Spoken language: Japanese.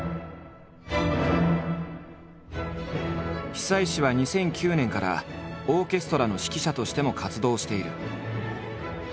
久石は２００９年からオーケストラの指揮者としても活動している。